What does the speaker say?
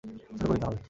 শুরু করি তাহলে।